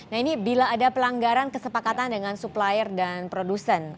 nah ini bila ada pelanggaran kesepakatan dengan supplier dan produsen